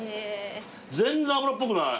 全然脂っぽくない。